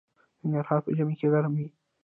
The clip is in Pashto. ننګرهار په ژمي کې ګرم وي